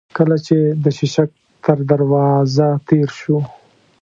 کله چې د شېشک تر دروازه تېر شوو.